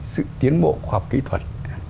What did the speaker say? sự tiến bộ khoa học kỹ thuật